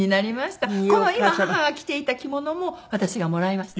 この今母が着ていた着物も私がもらいました。